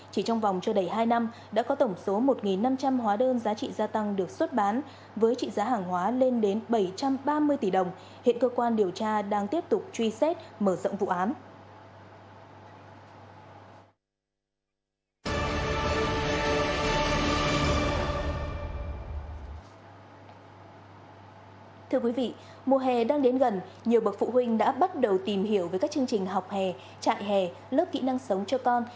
chỉ trong vòng chưa đầy hai năm đã có tổng số một năm trăm linh hóa đơn giá trị gia tăng được xuất bán với trị giá hàng hóa lên đến bảy trăm ba mươi tỷ đồng hiện cơ quan điều tra đang tiếp tục truy xét mở rộng vụ án